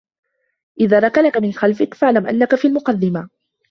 إذا ركلك من خلفك.. فإعلم أنك في المقدمة.